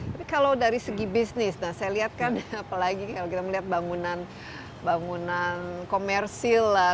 tapi kalau dari segi bisnis nah saya lihat kan apalagi kalau kita melihat bangunan bangunan komersil lah